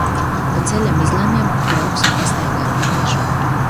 Pa ceļa izlemjam, ka brauksim pastaigāt pa mežu.